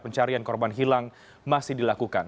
pencarian korban hilang masih dilakukan